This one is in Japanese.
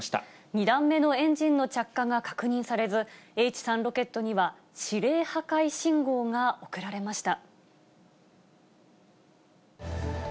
２段目のエンジンの着火が確認されず、Ｈ３ロケットには指令破壊信号が送られました。